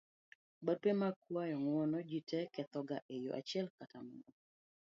barupe mag kuayo ng'uono; jite kethoga e yo achiel kata moro